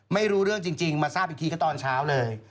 ไม่รู้เรื่องจริงมาทราบอีกทีก็ตอนเช้าเลย